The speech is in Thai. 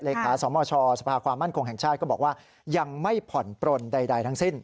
ขาสมชสภาความมั่นคงแห่งชาติก็บอกว่ายังไม่ผ่อนปลนใดทั้งสิ้น